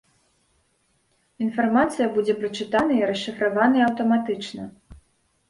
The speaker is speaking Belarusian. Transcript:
Інфармацыя будзе прачытаная і расшыфраваная аўтаматычна.